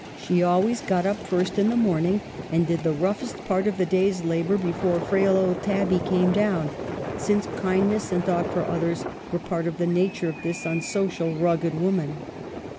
She always got up first in the morning, and did the roughest part of the day's labor before frail old Tabby came down ; since kindness and thought for others were part of the nature of this unsocial, rugged woman.